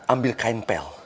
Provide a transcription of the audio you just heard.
ambil kain pel